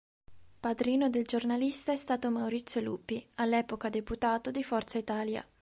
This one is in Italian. Padrino del giornalista è stato Maurizio Lupi, all'epoca deputato di "Forza Italia".